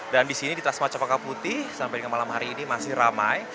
dan di sini di transmart cepaka putih sampai malam hari ini masih ramai